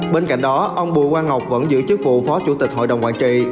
bên cạnh đó ông bùi quang ngọc vẫn giữ chức vụ phó chủ tịch hội đồng quản trị